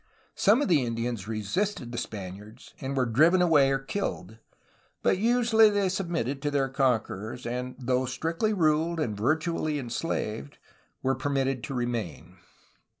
Some of the Indians resisted the Spaniards, and were driven away or killed, but usually they submitted to their con querors, and, though strictly ruled and virtually enslaved, were permitted to remain.